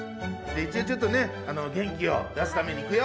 一応ちょっとね元気を出すためにいくよ。